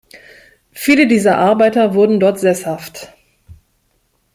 Viele dieser Arbeiter wurden dort sesshaft.